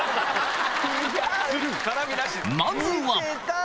まずは！